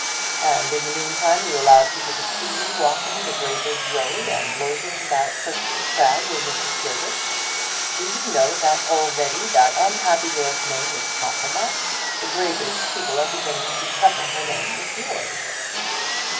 "And in the meantime you allow people to see you walking the Graybridge road and loitering about Thurston's Crag with Mrs. Gilbert. Do you know that already that unhappy girl's name is compromised? The Graybridge people are beginning to couple her name with yours."